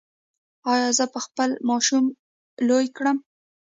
ایا زه به خپل ماشومان لوی کړم؟